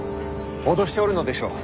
脅しておるのでしょう。